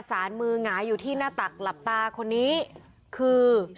สารมือหงายอยู่ที่หน้าตักหลับตาคนนี้คือ